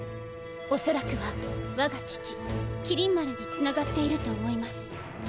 おそらくは我が父麒麟丸に繋がっていると思います。